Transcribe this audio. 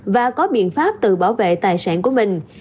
và có biện pháp tự bảo vệ tài sản của mình